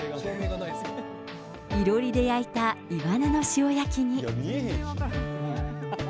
いろりで焼いたイワナの塩焼きに。